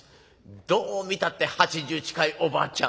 どう見たって８０近いおばあちゃん。